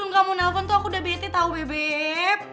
udah kamu nelfon tuh aku udah bete tau bebep